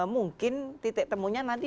mungkin titik temunya nanti